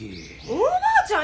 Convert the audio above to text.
おばあちゃん